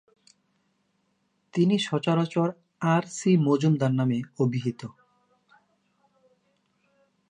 তিনি সচরাচর R, C, Majumdar নামে অভিহিত।